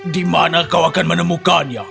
di mana kau akan menemukannya